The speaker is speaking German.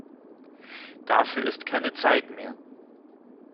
Dafür ist keine Zeit mehr.